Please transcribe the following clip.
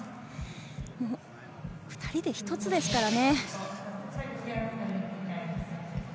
２人で一つですからね。